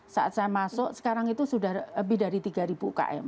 saat saya masuk sekarang itu sudah lebih dari tiga ukm